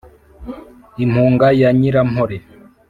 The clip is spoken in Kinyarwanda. i mpunga ya nyirampore,